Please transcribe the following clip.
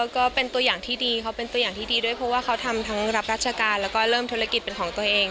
ก็เป็นตัวอย่างที่ดีเขาเป็นตัวอย่างที่ดีด้วยเพราะว่าเขาทำทั้งรับราชการแล้วก็เริ่มธุรกิจเป็นของตัวเอง